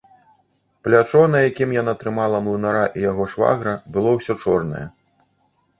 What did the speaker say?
Плячо, на якім яна трымала млынара і яго швагра, было ўсё чорнае.